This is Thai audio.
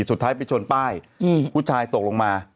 สุดท้ายไปชนป้ายผู้ชายตกลงมา